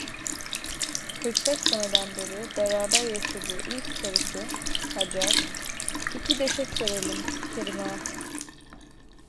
Kırk beş seneden beri beraber yaşadığı ilk karısı Hacer: "İki döşek serelim, Kerim Ağa…"